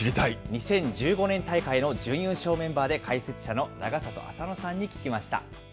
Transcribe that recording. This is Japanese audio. ２０１５年大会の準優勝メンバーで、解説者の永里亜紗乃さんに聞きました。